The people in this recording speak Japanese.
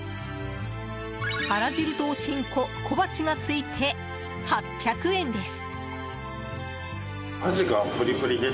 あら汁とお新香小鉢がついて８００円です。